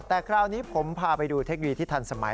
แต่คราวนี้ผมพาไปดูเทคโนโลยีที่ทันสมัย